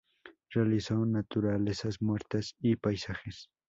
Realizó naturalezas muertas y paisajes.